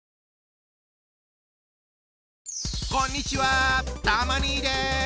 こんにちはたま兄です。